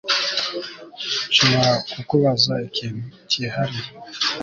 Nshobora kukubaza ikintu cyihariye